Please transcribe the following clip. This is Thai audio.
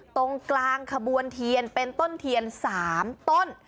ตรงกลางขบวนเทียนเป็นต้นเทียน๓ต้น